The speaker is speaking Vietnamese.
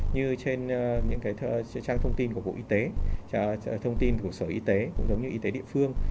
như trên những trang thông tin của bộ y tế thông tin của sở y tế cũng giống như y tế địa phương